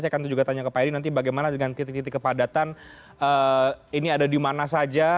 saya akan juga tanya ke pak edi nanti bagaimana dengan titik titik kepadatan ini ada di mana saja